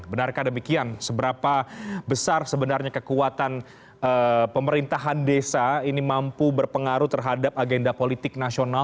benarkah demikian seberapa besar sebenarnya kekuatan pemerintahan desa ini mampu berpengaruh terhadap agenda politik nasional